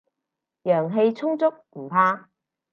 陽氣充足，唔怕